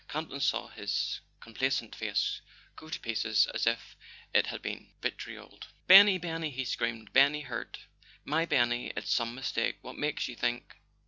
Campton saw his complacent face go to pieces as if it had been vitrioled. "Benny—Benny " he screamed, "Benny hurt? My Benny ? It's some mistake! What makes you think